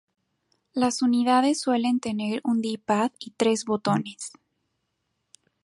Las unidades suelen tener un D-pad y tres botones.